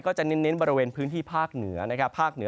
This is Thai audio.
ก็จะเน้นบริเวณพื้นที่ภาคเหนือ